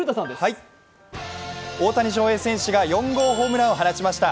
大谷翔平選手が４号ホームランを放ちました。